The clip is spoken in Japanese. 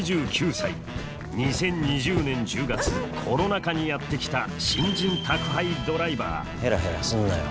２０２０年１０月コロナ禍にやって来た新人宅配ドライバーヘラヘラすんなよ。